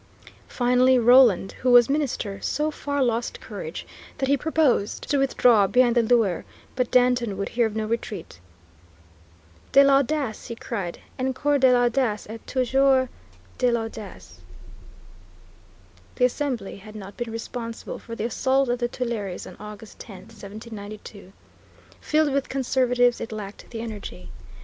Finally, Roland, who was minister, so far lost courage that he proposed to withdraw beyond the Loire, but Danton would hear of no retreat. "De l'audace," he cried, "encore de l'audace, et toujours de l'audace." The Assembly had not been responsible for the assault on the Tuileries on August 10, 1792. Filled with conservatives, it lacked the energy.